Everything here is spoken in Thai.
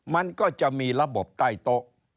มันก็จะมีระบบใต้โต๊ะ